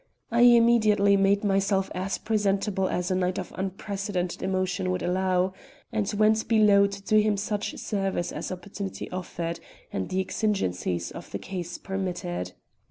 I immediately made myself as presentable as a night of unprecedented emotions would allow, and went below to do him such service as opportunity offered and the exigencies of the case permitted.